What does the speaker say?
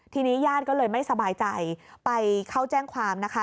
ทีนี้ญาติก็เลยไม่สบายใจไปเข้าแจ้งความนะคะ